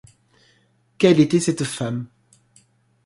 Quelle était cette femme?